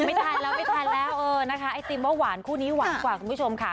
ไม่ทันแล้วไม่ทันแล้วเออนะคะไอติมว่าหวานคู่นี้หวานกว่าคุณผู้ชมค่ะ